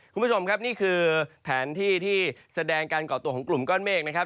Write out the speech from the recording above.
คุณผู้ชมครับนี่คือแผนที่ที่แสดงการก่อตัวของกลุ่มก้อนเมฆนะครับ